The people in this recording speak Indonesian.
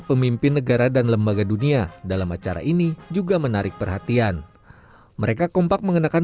pemimpin negara dan lembaga dunia dalam acara ini juga menarik perhatian mereka kompak mengenakan